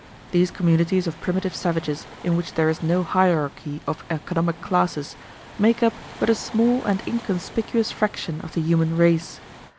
These communities of primitive savages in which there is no hierarchy of economic classes make up but a small and inconspicuous fraction of the human race.